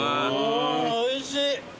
おいしい。